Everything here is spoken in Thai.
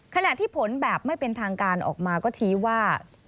ขณะที่ผลแบบไม่เป็นทางการออกมาก็ชี้ว่า